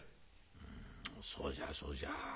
うむそうじゃそうじゃ。